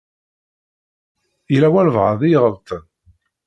Yella walebɛaḍ i iɣelṭen.